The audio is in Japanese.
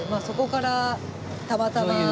そこからたまたま。